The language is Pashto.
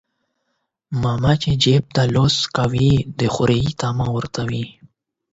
ماما چى جيب ته لاس کوى د خورى طعمه ورته وى.